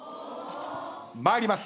参ります。